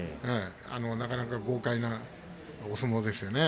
なかなか豪快なお相撲ですね。